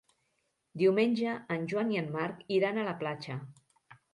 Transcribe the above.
Diumenge en Joan i en Marc iran a la platja.